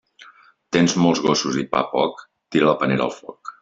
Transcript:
Tens molts gossos i pa poc?, tira la panera al foc.